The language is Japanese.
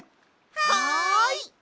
はい！